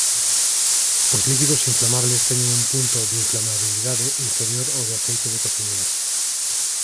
Os líquidos inflamables teñen un punto de inflamabilidade inferior ao do aceite de cociñar.